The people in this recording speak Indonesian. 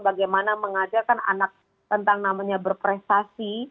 bagaimana mengajarkan anak tentang namanya berprestasi